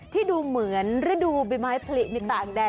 ดูเหมือนฤดูใบไม้ผลิในต่างแดน